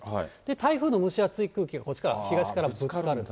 台風の蒸し暑い空気はこっちから、東からぶつかると。